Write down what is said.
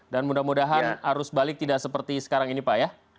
dan mudah mudahan arus balik tidak seperti sekarang ini pak ya